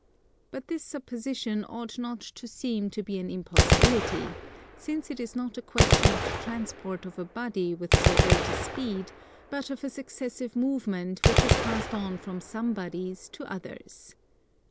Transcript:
But this supposition ought not to seem to be an impossibility; since it is not a question of the transport of a body with so great a speed, but of a successive movement which is passed on from some bodies to others.